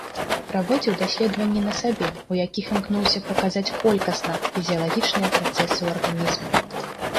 Праводзіў даследванні на сабе, у якіх імкнуўся паказаць колькасна фізіялагічныя працэсы ў арганізме.